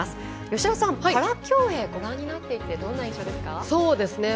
吉田さん、パラ競泳ご覧になっていてどんな印象ですか？